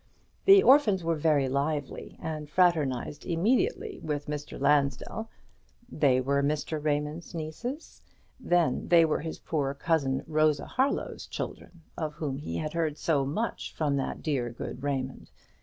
The orphans were very lively, and fraternized immediately with Mr. Lansdell. They were Mr. Raymond's nieces? then they were his poor cousin Rosa Harlow's children, of whom he had heard so much from that dear good Raymond?